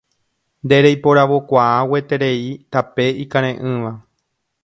Nde reiporavokuaa gueterei tape ikareʼỹva